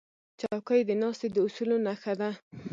چوکۍ د ناستې د اصولو نښه ده.